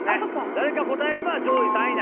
誰か答えれば上位３位に。